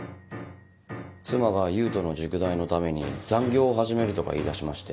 妻が勇人の塾代のために残業を始めるとか言いだしまして。